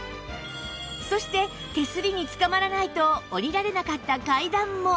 そして手すりにつかまらないと下りられなかった階段も